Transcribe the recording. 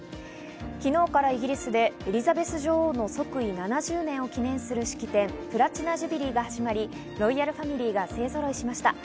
昨日からイギリスでエリザベス女王の即位７０年を記念する式典プラチナ・ジュビリーが始まり、ロイヤルファミリーが勢ぞろいしました。